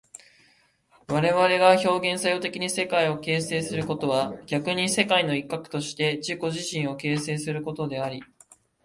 我々が表現作用的に世界を形成することは逆に世界の一角として自己自身を形成することであり、